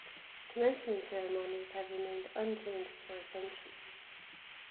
Commencement ceremonies have remained unchanged for a century.